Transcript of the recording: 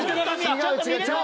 違う違う！